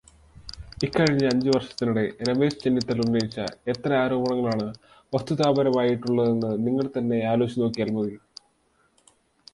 ഇക്കഴിഞ്ഞ അഞ്ച് വർഷത്തിനിടെ രമേശ് ചെന്നിത്തല ഉന്നയിച്ച എത്ര ആരോപണങ്ങളാണ് വസ്തുതാപരമായിട്ടുള്ളതെന്ന് നിങ്ങൾ തന്നെ ആലോചിച്ചു നോക്കിയാൽ മതി.